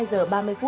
số người đăng ký